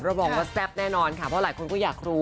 บอกว่าแซ่บแน่นอนค่ะเพราะหลายคนก็อยากรู้